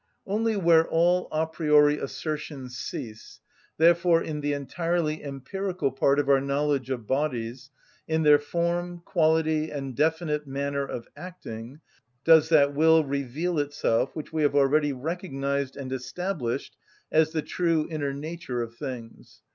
Only where all a priori assertions cease, therefore in the entirely empirical part of our knowledge of bodies, in their form, quality, and definite manner of acting, does that will reveal itself which we have already recognised and established as the true inner nature of things.